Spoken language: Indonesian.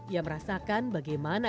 yang merasakan bagaimana